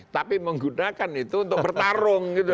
tapi menggunakan itu untuk bertarung gitu